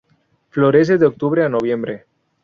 Florece de Octubre a Noviembre.